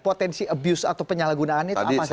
potensi abuse atau penyalahgunaannya itu apa sih